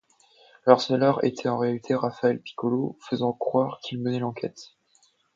Le harceleur était en réalité Raffaele Piccolo, faisant croire qu'il menait l'enquête.